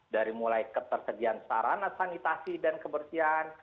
dari mulai ketersediaan sarana sanitasi dan kebersihan